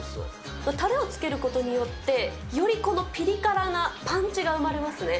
たれをつけることによって、よりこのピリ辛なパンチが生まれますね。